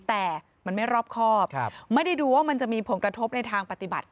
แต่มันไม่รอบครอบไม่ได้ดูว่ามันจะมีผลกระทบในทางปฏิบัติ